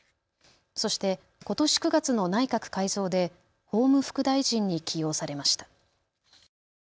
そしてことし９月の内閣改造で法務副大臣に起用されました。